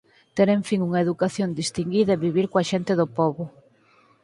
ter en fin unha educación distinguida e vivir coa xente do pobo.